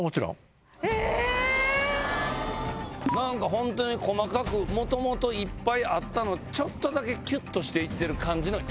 えぇ⁉何かホントに細かくもともといっぱいあったのちょっとだけキュッとしていってる感じのイメージ